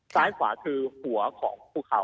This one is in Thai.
ซ้ายขวาคือหัวของภูเขา